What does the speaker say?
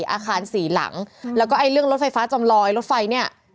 อาคารสี่หลังแล้วก็ไอ้เรื่องรถไฟฟ้าจำลอยรถไฟเนี่ย